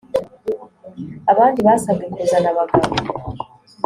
abandi basabwe kuzana abagabo